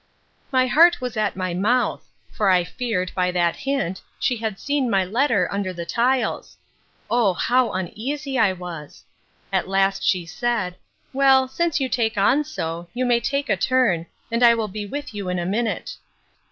My heart was at my mouth; for I feared, by that hint, she had seen my letter under the tiles: O how uneasy I was! At last she said, Well, since you take on so, you may take a turn, and I will be with you in a minute.